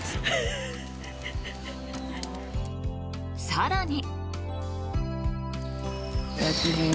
更に。